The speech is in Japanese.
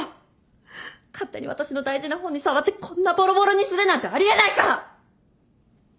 勝手に私の大事な本に触ってこんなぼろぼろにするなんてあり得ないから！